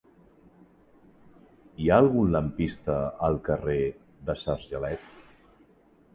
Hi ha algun lampista al carrer de Sargelet?